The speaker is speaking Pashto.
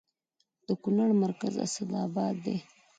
د کونړ مرکز اسداباد دی